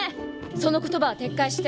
その言葉は撤回して。